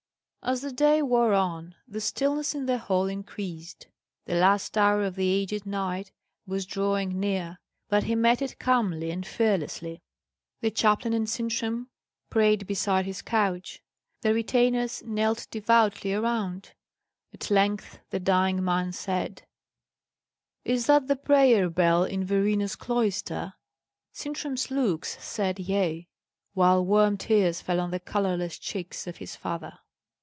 As the day wore on, the stillness in the hall increased. The last hour of the aged knight was drawing near, but he met it calmly and fearlessly. The chaplain and Sintram prayed beside his couch. The retainers knelt devoutly around. At length the dying man said: "Is that the prayer bell in Verena's cloister?" Sintram's looks said yea; while warm tears fell on the colourless cheeks of his father.